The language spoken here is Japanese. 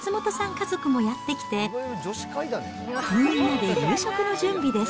家族もやって来て、みんなで夕食の準備です。